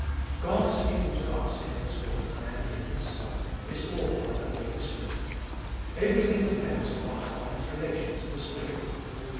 1. God speaking to us in His word, and In His Son, Is all by the Holy Spirit. Everything depends upon our right relation to the Spirit.